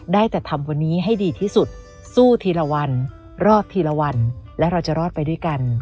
ได้แต่ทำวันนี้ให้ดีที่สุดสู้ทีละวันรอดทีละวันและเราจะรอดไปด้วยกัน